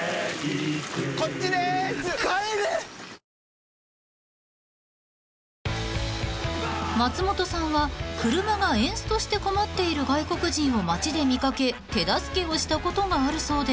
ニトリ［松本さんは車がエンストして困っている外国人を街で見掛け手助けをしたことがあるそうで］